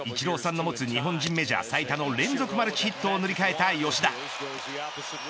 先日、イチローさんの持つ日本人メジャー最多の連続マルチヒットを塗り替えた吉田。